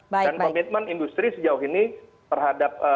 dan komitmen industri sejauh ini terhadap kita terhadap pbsi sangat baik